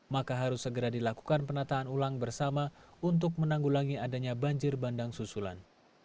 maka harus segera dilakukan penataan ulang bersama untuk menanggulangi adanya banjir bandang susulan